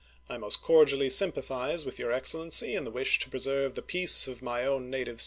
I most cordially sympathize with your Excel lency in the wish to preserve the peace of my own native Vol.